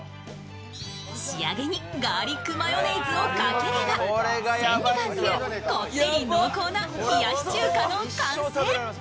仕上げにガーリックマヨネーズをかければ千里眼流こってり濃厚な冷やし中華の完成。